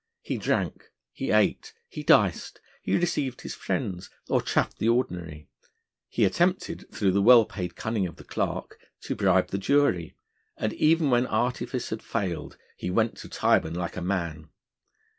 He drank, he ate, he diced; he received his friends, or chaffed the Ordinary; he attempted, through the well paid cunning of the Clerk, to bribe the jury; and when every artifice had failed he went to Tyburn like a man.